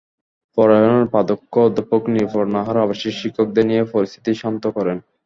পরে হলের প্রাধ্যক্ষ অধ্যাপক নীলুফার নাহার আবাসিক শিক্ষকদের নিয়ে পরিস্থিতি শান্ত করেন।